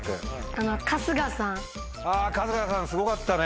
あ春日さんすごかったね。